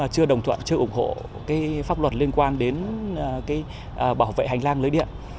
chưa đồng thuận chưa ủng hộ cái pháp luật liên quan đến bảo vệ hành lang lưới điện